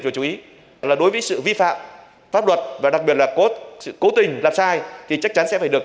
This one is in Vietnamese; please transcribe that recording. và chú ý là đối với sự vi phạm pháp luật và đặc biệt là cố tình làm sai thì chắc chắn sẽ phải được